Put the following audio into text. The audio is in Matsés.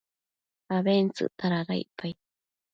abentsëcta dada icpaid